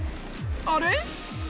あれ？